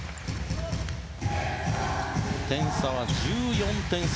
点差は１４点差。